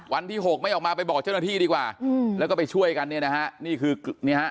วันที่๖ไม่ออกมาไปบอกเจ้าหน้าที่ดีกว่าแล้วก็ไปช่วยกันเนี่ยนะฮะ